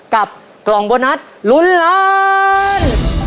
กับกล่องโบนัสลุ้นล้าน